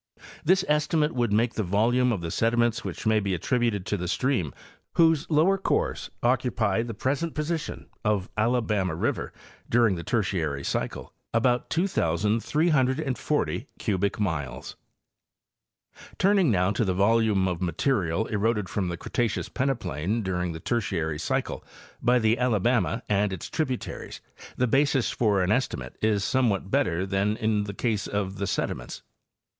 This estimate would make the volume of the sediments which may be at tributed to the stream whose lower course occupied the present position of Alabama river during the Tertiary cycle about 2,340 cubie miles. Turning now to the volume of material eroded from the Cre taceous peneplain during the Tertiary cycle by the Alabama and its tributaries, the basis for an estimate is somewhat better than in the case of the sediments.